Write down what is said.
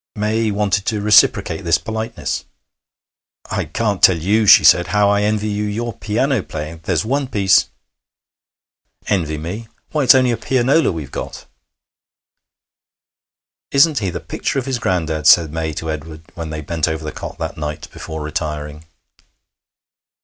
May wanted to reciprocate this politeness. 'I can't tell you,' she said, 'how I envy you your piano playing. There's one piece ' 'Envy me! Why! It's only a pianola we've got!' 'Isn't he the picture of his granddad?' said May to Edward when they bent over the cot that night before retiring.